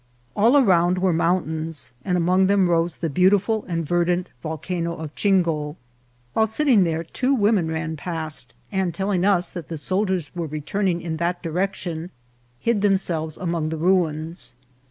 All around were mountains, and among them rose the beautiful and ver dant Volcano of Chingo. While sitting there two ANATTACK. 83 > women ran past, and telling us that the soldiers were returning in that direction, hid themselves among the ruins.